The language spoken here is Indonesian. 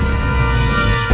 udah went uh